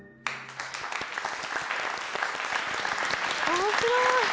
おもしろい！